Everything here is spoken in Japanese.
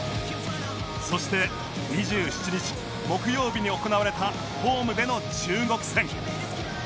そして２７日木曜日に行われたホームでの中国戦